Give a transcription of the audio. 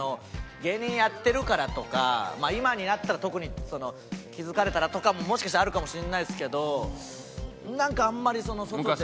芸人やってるからとか今になったら特に気付かれたらとかももしかしたらあるかもしれないですけどなんかあんまり外で。